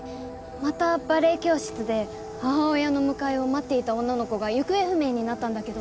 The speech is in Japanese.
またバレエ教室で母親の迎えを待っていた女の子が行方不明になったんだけど。